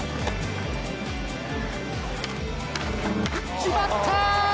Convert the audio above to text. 決まった！